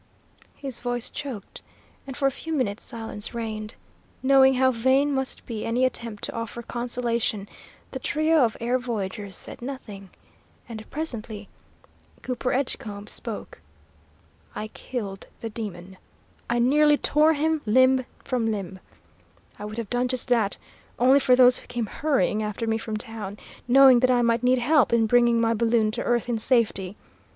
His voice choked, and for a few minutes silence reigned. Knowing how vain must be any attempt to offer consolation, the trio of air voyagers said nothing, and presently Cooper Edgecombe spoke. "I killed the demon. I nearly tore him limb from limb; I would have done just that, only for those who came hurrying after me from town, knowing that I might need help in bringing my balloon to earth in safety.